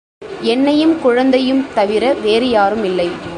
என்னையும் குழந்தையும் தவிர வேறுயாரும் இல்லை.